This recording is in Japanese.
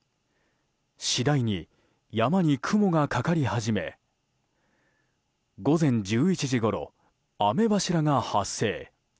次第に山に雲がかかり始め午前１１時ごろ、雨柱が発生。